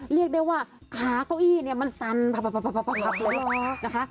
เรียกได้ว่าขาเก้าอี้เนี่ยมันสั่นพับเลยนะคะ